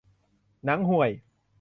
หนังห่วย